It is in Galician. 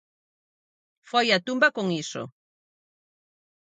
Foi á tumba con iso.